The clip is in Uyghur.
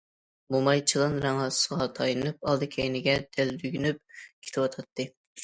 موماي چىلان رەڭ ھاسىسىغا تايىنىپ ئالدى- كەينىگە دەلدۈگۈنۈپ كېتىۋاتاتتى.